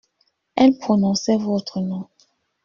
Elle prononçait votre nom !